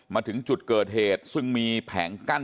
มาถึงจุดเกิดเหตุซึ่งมีแผงกั้น